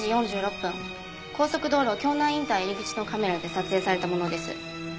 高速道路京南インター入り口のカメラで撮影されたものです。